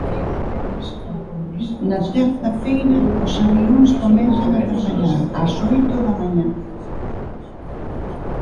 Na terza feira os avións comezan a traballar ás oito da mañá.